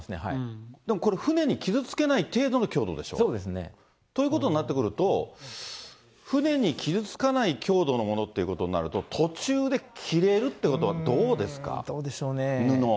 でもこれ、船に傷つけない程度の強度でしょ？ということになってくると、船に傷つかない強度のものということになると、途中で切れるってどうでしょうね。